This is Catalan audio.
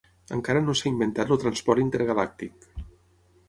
Encara no s'ha inventat el transport intergalàctic.